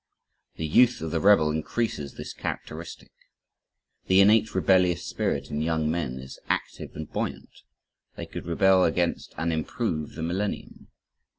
The youth of the rebel increases this characteristic. The innate rebellious spirit in young men is active and buoyant. They could rebel against and improve the millennium.